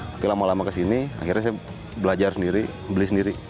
tapi lama lama kesini akhirnya saya belajar sendiri beli sendiri